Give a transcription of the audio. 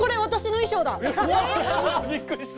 びっくりした！